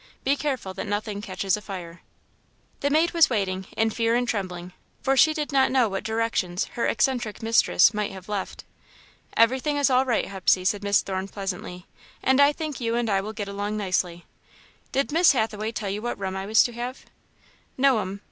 Be careful that nothing catches afire." The maid was waiting, in fear and trembling, for she did not know what directions her eccentric mistress might have left. "Everything is all right, Hepsey," said Miss Thorne, pleasantly, "and I think you and I will get along nicely. Did Miss Hathaway tell you what room I was to have?" "No'm.